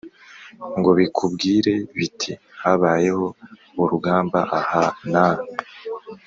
ngo bikubwire biti: “habayeho urugamba aha naha!”